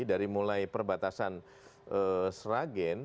dari mulai perbatasan sragen